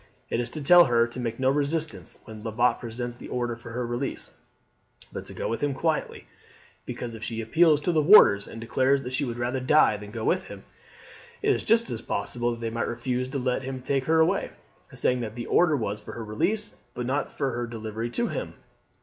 It is to tell her to make no resistance when Lebat presents the order for her release, but to go with him quietly; because if she appeals to the warders and declares that she would rather die than go with him, it is just possible that they might refuse to let him take her away, saying that the order was for her release, but not for her delivery to him.